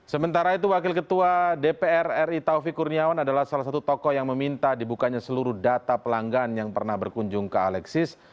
sementara itu wakil ketua dpr ri taufik kurniawan adalah salah satu tokoh yang meminta dibukanya seluruh data pelanggan yang pernah berkunjung ke alexis